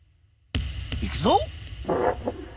いくぞ！